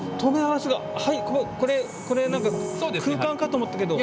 これ何か空間かと思ったけど。